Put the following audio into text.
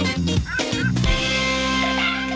สวัสดีค่ะ